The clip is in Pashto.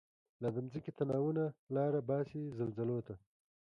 لا د مځکی تناوونه، لاره باسی زلزلوته